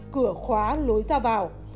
cửa khóa lối ra vào